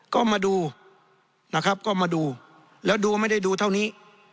ก็มาดูนะครับก็มาดูแล้วดูไม่ได้ดูเท่านี้